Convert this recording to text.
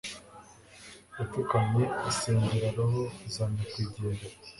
yapfukamye asengera roho za nyakwigendera